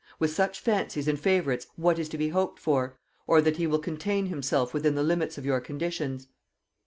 With such fancies and favorites what is to be hoped for? or that he will contain himself within the limits of your conditions?"